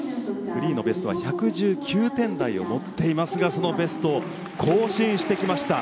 フリーのベストは１１９点台を持っていますがそのベストを更新してきました。